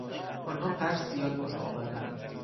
آنها قرض زیاد بالا آوردند.